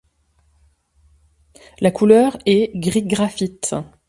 La couleur est gris-graphite.